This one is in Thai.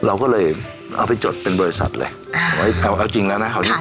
เราก็เลยเอาไปจดเป็นบริษัทเลยอ่าไว้เอาจริงแล้วนะคราวนี้